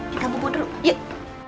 kita bubur dulu yuk